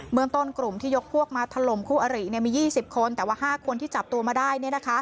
เมืองต้นกลุ่มที่ยกพวกมาทะลมคู่อริเนี่ยมี๒๐คนแต่ว่า๕คนที่จับตัวมาได้เนี่ยนะคะ